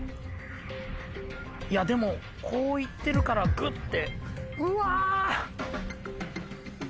いやでもこう行ってるからグッて。